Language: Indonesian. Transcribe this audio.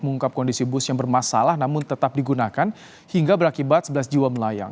mengungkap kondisi bus yang bermasalah namun tetap digunakan hingga berakibat sebelas jiwa melayang